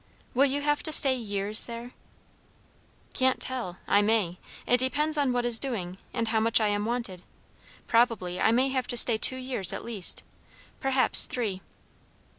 "Will you have to stay years there?" "Can't tell. I may. It depends on what is doing, and how much I am wanted. Probably I may have to stay two years at least; perhaps three."